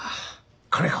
金か。